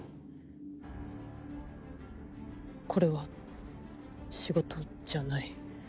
これは仕事じゃない。